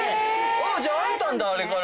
あぁじゃあ会えたんだあれから。